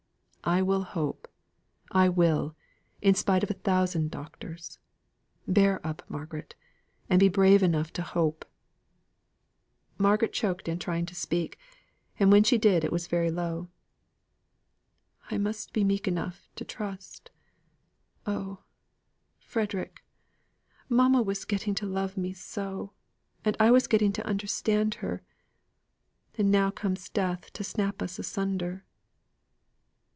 I will hope. I will, in spite of a thousand doctors. Bear up, Margaret, and be brave enough to hope!" Margaret choked in trying to speak, and when she did it was very low. "I must try to be meek enough to trust. Oh, Frederick! mamma was getting to love me so! And I was getting to understand her. And now comes death to snap us asunder!"